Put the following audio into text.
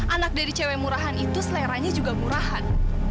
anak dari cewek murahan itu seleranya juga murahan